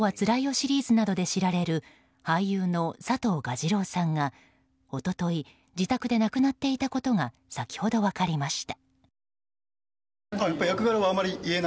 シリーズなどで知られる俳優の佐藤蛾次郎さんが一昨日自宅で亡くなっていたことが先ほど分かりました。